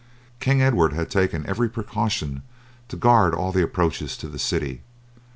King Edward had taken every precaution to guard all the approaches to the city.